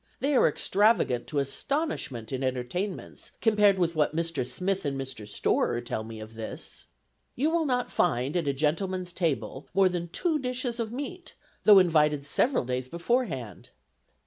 they are extravagant to astonishment in entertainments compared with what Mr. Smith and Mr. Storer tell me of this. You will not find at a gentleman's table more than two dishes of meat, though invited several days beforehand.